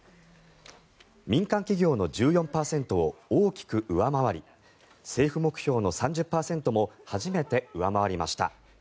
民間企業の１４％を大きく上回り政府目標の３０％も初めて上回りました。